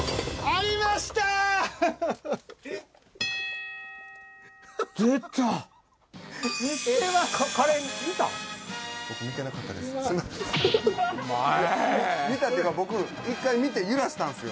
いや見たっていうか僕１回見て揺らしたんすよ。